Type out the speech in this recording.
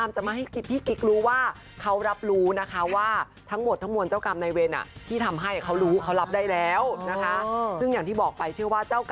เชื่อว่าเจ้ากรรมในเวรอักษณะมาก